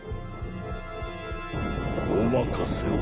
お任せを。